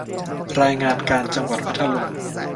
รายงานการจังหวัดพัทลุง